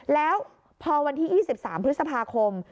แล้วพอวันที่๒๓พฤษภาคม